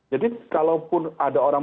jadi kalaupun ada orang